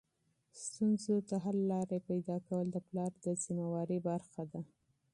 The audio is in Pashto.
ستونزو ته حل لارې پیدا کول د پلار د مسؤلیت برخه ده.